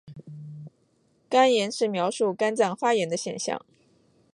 肝炎是描述肝脏发炎的现象。